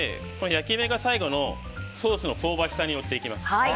焼き目が最後のソースの香ばしさに乗っていきます。